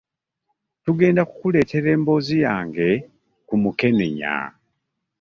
Tugenda kukuleetera emboozi yange ku mukenenya.